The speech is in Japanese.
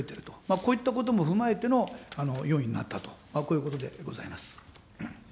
こういったことも踏まえての４位になったと、こういうことでございます。